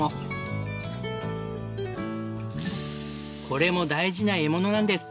これも大事な獲物なんです。